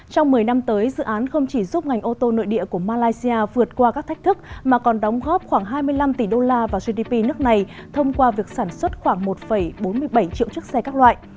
trong một mươi năm tới dự án không chỉ giúp ngành ô tô nội địa của malaysia vượt qua các thách thức mà còn đóng góp khoảng hai mươi năm tỷ đô la vào gdp nước này thông qua việc sản xuất khoảng một bốn mươi bảy triệu chiếc xe các loại